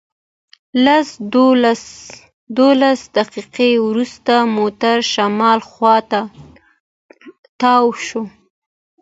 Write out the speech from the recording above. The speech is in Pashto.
لس دولس دقیقې وروسته موټر شمال خواته تاو شو.